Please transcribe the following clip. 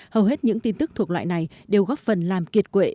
hầu hết những tin tức thuộc loại này đều góp phần làm kiệt quệ